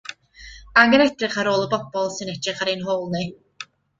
Angen edrych ar ôl y bobl sy'n edrych ar ein hôl ni.